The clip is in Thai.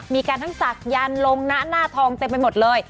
มีการทั้งศักยันต์ลงนะหน้าทองเต็มไปหมดเลย